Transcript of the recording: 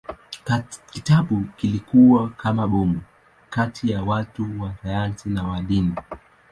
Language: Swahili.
Kitabu kilikuwa kama bomu kati ya watu wa sayansi na wa dini.